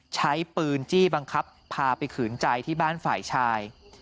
ใช้ปืนจี้บังคับพาไปขืนใจที่บ้านฝ่ายชาย